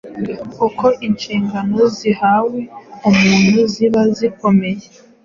Uko inshingano zihawe umuntu ziba zikomeye